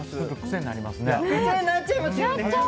癖になっちゃいますよね。